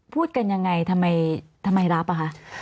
พูดกันยังไงทำไมรับอ่ะคะ